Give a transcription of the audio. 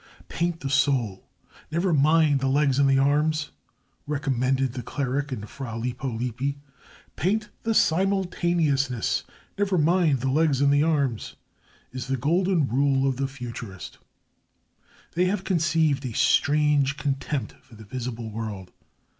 "Paint the soul, never mind the legs and arms," recommended the cleric in Fra Lippo Lippi. "Paint the simultaneousness, never mind the legs and arms," is the golden rule of the Futurists. They have conceived a strange contempt for the visible world.